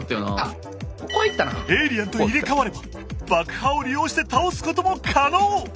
エイリアンと入れかわれば爆破を利用して倒すことも可能。